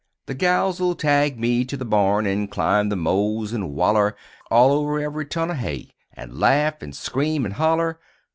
The gals 'll tag me to the barn; An' climb the mows, an' waller All over ev'ry ton o' hay An' laugh an' scream an' holler.